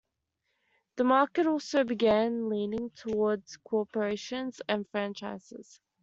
The market also began leaning toward corporations and franchises.